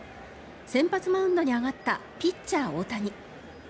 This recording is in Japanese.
先発マウンドに上がったピッチャー・大谷。